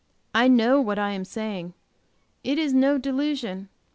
I know what I am saying. It is no delusion.